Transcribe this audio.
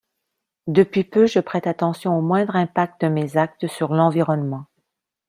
Depuis peu, je prête attention au moindre impact de mes actes sur l’environnement.